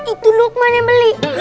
itu lukman yang beli